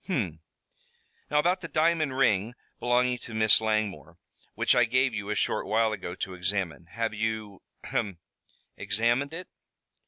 "Hum. Now about the diamond ring belonging to Miss Langmore, which I gave you a short while ago to examine? Have you ahem examined it?"